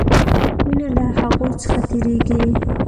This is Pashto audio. وینه له هغوي څخه تیریږي.